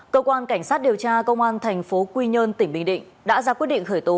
cơ quan cảnh sát điều tra công an thành phố quy nhơn tỉnh bình định đã ra quyết định khởi tố